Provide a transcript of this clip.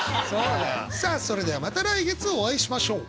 それではまた来月お会いしましょう。